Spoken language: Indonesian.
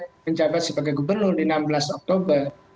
jadi itu sudah dianggap sebagai gubernur di enam belas oktober